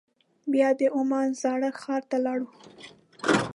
بیا د عمان زاړه ښار ته لاړو.